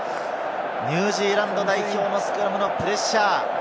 ニュージーランド代表のスクラムのプレッシャー。